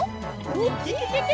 ウキキキ！